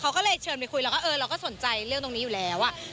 เขาก็เลยเชิญไปคุยแล้วก็เออเราก็สนใจเรื่องตรงนี้อยู่แล้ว